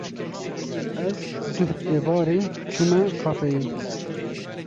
Ez duh êvarê çûme kafeyê.